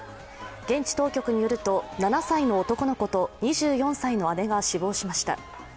現地当局によると７歳の男の子と２４歳の姉が死亡しました。